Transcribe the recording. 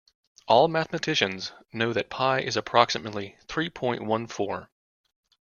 All mathematicians know that Pi is approximately three point one four